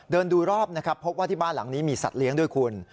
ดูรอบนะครับพบว่าที่บ้านหลังนี้มีสัตว์เลี้ยงด้วยคุณ